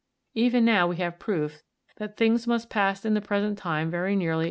Even now we have proof that things must pass in the present time very nearly as they did in 40.